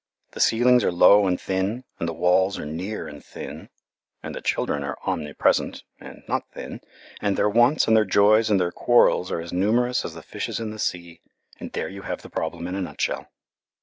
The ceilings are low and thin, and the walls are near and thin, and the children are omnipresent and not thin, and their wants and their joys and their quarrels are as numerous as the fishes in the sea, and there you have the problem in a nutshell.